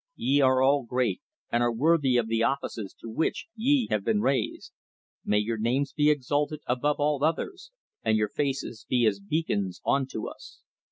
Ye are all great, and are worthy of the offices to which ye have been raised. May your names be exalted above all others, and your faces be as beacons unto us!"